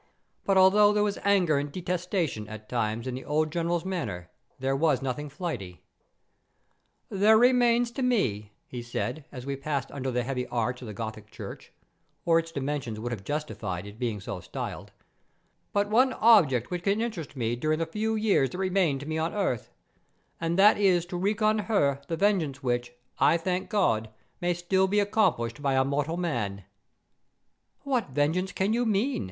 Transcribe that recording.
But although there was anger and detestation, at times, in the old General's manner, there was nothing flighty. "There remains to me," he said, as we passed under the heavy arch of the Gothic church—for its dimensions would have justified its being so styled—"but one object which can interest me during the few years that remain to me on earth, and that is to wreak on her the vengeance which, I thank God, may still be accomplished by a mortal arm." "What vengeance can you mean?"